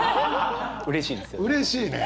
うれしいですよね。